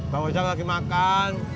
bang ojak lagi makan